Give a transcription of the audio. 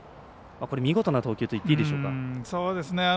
見事な投球といっていいでしょうか。